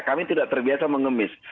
kami tidak terbiasa mengemis